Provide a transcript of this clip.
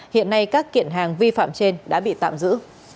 hiện nay các kiện hàng vi phạm trên đã bị tạm giữ